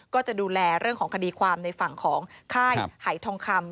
ก็จะดูแลเรื่องของคดีความในฝั่งของค่ายหายทองคำ